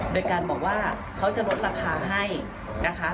โดยการบอกว่าเขาจะลดราคาให้นะคะ